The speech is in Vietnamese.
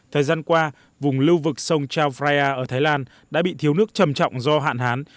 thời gian qua vùng lưu vực sông chao phraya ở thái lan đã bị thiếu nước trầm trọng do hạn hán